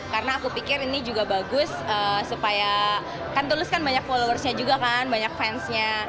karena aku pikir ini juga bagus supaya kan tulus kan banyak followersnya juga kan banyak fansnya